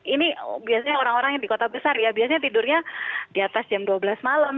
ini biasanya orang orang yang di kota besar ya biasanya tidurnya di atas jam dua belas malam